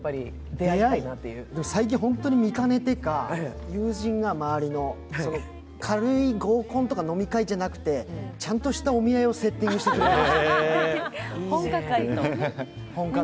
最近、本当に見かねてか、周りの友人が軽い合コンとか飲み会じゃなくて、ちゃんとしたお見合いをセッティングしてくれました、本格的な。